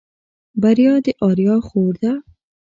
بريا د آريا خور ده.